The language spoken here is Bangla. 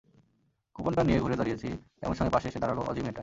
কুপনটা নিয়ে ঘুরে দাঁড়িয়েছি, এমন সময় পাশে এসে দাঁড়াল অজি মেয়েটা।